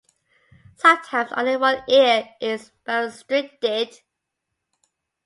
Sometimes only one ear is barostricted.